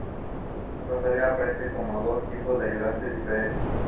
Rosalina aparece como dos tipos de ayudantes diferentes.